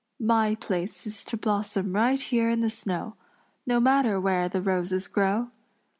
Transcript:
My place is to blossom right here in the snow, No matter where the roses grow.